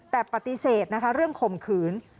แต่ปฏิเสธนะคะเรื่องข่มขืน